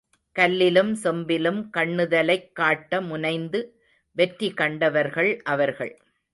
கல்லிலும் செம்பிலும் கண்ணுதலைக் காட்ட முனைந்து வெற்றி கண்டவர்கள் அவர்கள்.